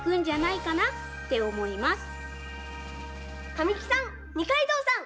神木さん二階堂さん